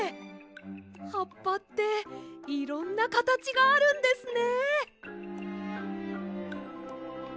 はっぱっていろんなかたちがあるんですね。